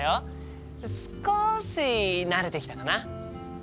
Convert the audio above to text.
少し慣れてきたかな。